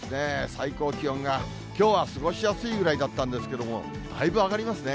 最高気温がきょうは過ごしやすいぐらいだったんですけれども、だいぶ上がりますね。